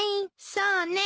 そうね。